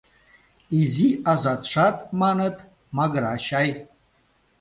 — Изи азатшат, маныт, магыра чай?